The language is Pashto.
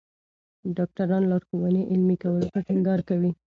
ډاکټران لارښوونې عملي کولو ته ټینګار کوي.